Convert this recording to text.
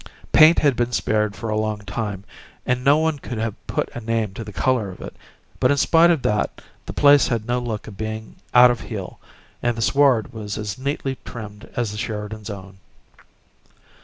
Paint had been spared for a long time, and no one could have put a name to the color of it, but in spite of that the place had no look of being out at heel, and the sward was as neatly trimmed as the Sheridans' own.